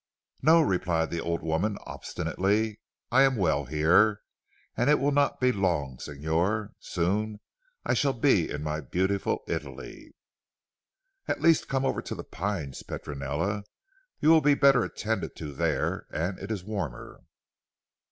"No," replied the old woman obstinately, "I am well here. And it will not be for long signor. Soon shall I be in my beautiful Italy." "At least, come over to 'The Pines' Petronella. You will be better attended to there, and it is warmer."